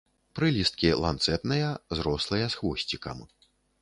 Прылісткі ланцэтныя, зрослыя з хвосцікам.